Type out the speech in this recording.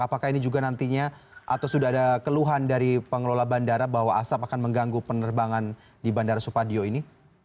apakah ini juga nantinya atau sudah ada keluhan dari pengelola bandara bahwa asap akan mengganggu penerbangan di bandara supadio ini